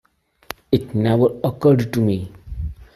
It never occurred to me.